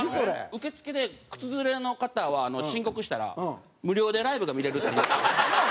受付で靴擦れの方は申告したら無料でライブが見られるという。